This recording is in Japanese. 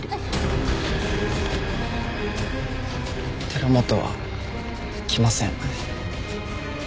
寺本は来ません。